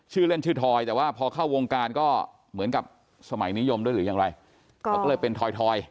ชื่อเล่นชื่อทอยแต่ว่าพอเข้าวงการก็เหมือนกับสมัยนิยมด้วยหรือยังไรเขาก็เลยเป็นทอย